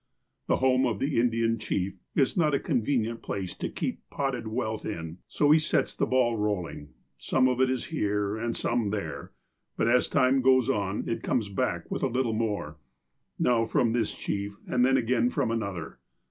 The home of the Indian chief is not a convenient place to keep potted wealth in, so he sets the ball rolling. Some of it is here, and some there ; but as time goes on it comes back with a little more, now from this chief, and then again from another.